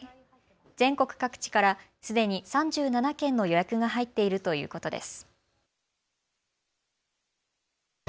全国各地から、すでに３７件の予約が入っているということです。